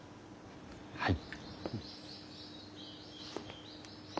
はい。